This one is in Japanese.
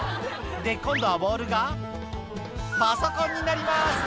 「で今度はボールがパソコンになります」